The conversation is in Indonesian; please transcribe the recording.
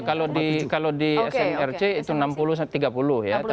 kalau di smrc itu enam puluh tiga puluh ya